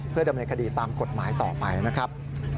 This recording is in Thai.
เพื่อทำในคดีตามกฎหมายต่อไปนะครับ